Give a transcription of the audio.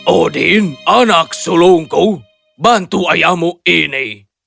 odin anak sulungku bantu ayahmu ini